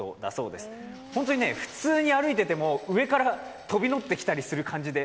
本当に普通に歩いてても上から飛び乗ってきたりする感じで、